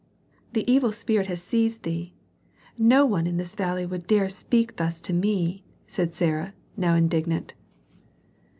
"The evil spirit has seized thee; no one in this valley would dare to speak thus to me," said Sarah, now indignant.